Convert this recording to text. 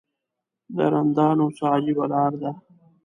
د رندانو څه عجیبه لاره ده.